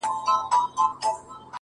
چي په لاسونو كي رڼا وړي څوك;